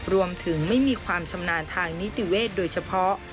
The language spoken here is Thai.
รวมถึงไม่มีความชำนาญทางนิติเวทโดยเฉพาะ